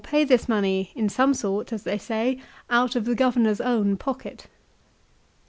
pay this money, in some sort, as they say out of the governor's own pocket.